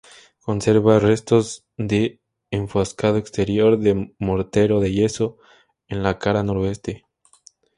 Conserva restos de enfoscado exterior de mortero de yeso en la cara Noreste.